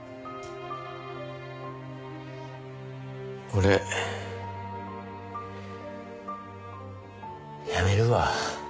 俺辞めるわ。